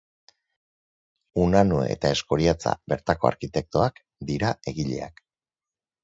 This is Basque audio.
Unanue eta Eskoriatza bertako arkitektoak dira egileak.